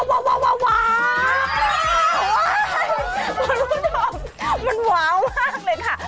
มันว้าวมากเลยค่ะ